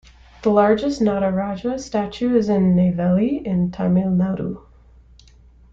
The largest Nataraja statue is in Neyveli, in Tamil Nadu.